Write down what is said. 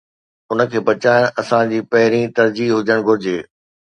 ان کي بچائڻ اسان جي پهرين ترجيح هجڻ گهرجي.